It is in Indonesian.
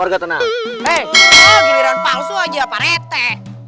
gini orang palsu aja para tek